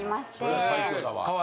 それは最強だわ。